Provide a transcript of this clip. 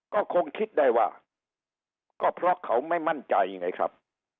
ก็คงคิดได้ว่าก็เพราะเขาไม่มั่นใจไงครับ